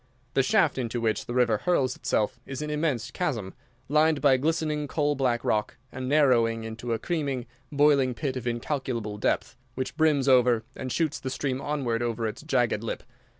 The shaft into which the river hurls itself is an immense chasm, lined by glistening coal black rock, and narrowing into a creaming, boiling pit of incalculable depth, which brims over and shoots the stream onward over its jagged lip.